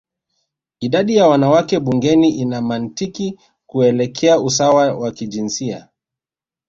idadi ya wanawake bungeni ina mantiki kuelekea usawa wa kijinsia